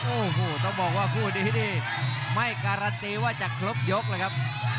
โอ้โหต้องบอกว่าคู่นี้นี่ไม่การันตีว่าจะครบยกเลยครับ